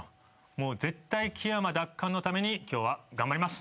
もう絶対木山奪還のために今日は頑張ります。